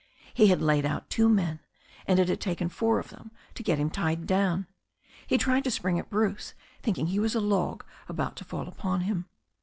He had laid out two men, and it had taken four of them to get him tied down. He tried to spring at Bruce, thinking he was a log about to fall upon him.